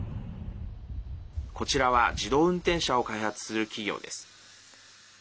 こちらは、自動運転車を開発する企業です。